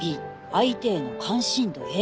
「相手への関心度Ａ」！